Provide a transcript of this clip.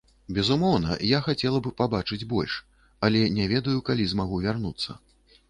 Безумоўна, я хацела б пабачыць больш, але не ведаю, калі змагу вярнуцца.